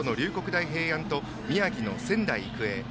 大平安と宮城の仙台育英。